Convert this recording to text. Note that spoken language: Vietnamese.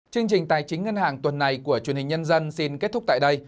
chương trình tài chính ngân hàng tuần này của truyền hình nhân dân xin kết thúc tại đây